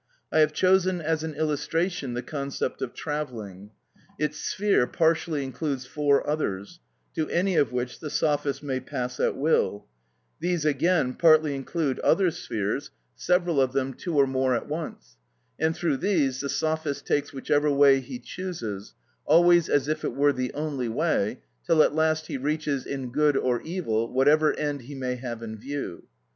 I have chosen as an illustration the concept of travelling. Its sphere partially includes four others, to any of which the sophist may pass at will; these again partly include other spheres, several of them two or more at once, and through these the sophist takes whichever way he chooses, always as if it were the only way, till at last he reaches, in good or evil, whatever end he may have in view.